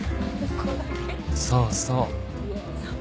そうそう